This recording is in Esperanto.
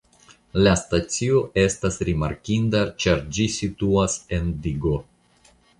La stacio estas rimarkinda ĉar ĝi situas en digo.